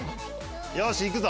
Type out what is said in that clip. よしいくぞ。